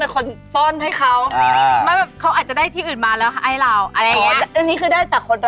เขาอาจจะได้ที่อื่นมาแล้วไอล่าวได้อย่างเงี้ย